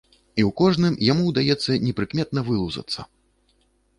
І ў кожным яму ўдаецца непрыкметна вылузацца.